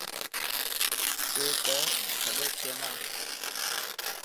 اي ته ڇڏي ڪينا.